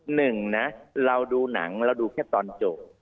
หนึ่งนะเราดูหนังเราดูแค่ตอนจบ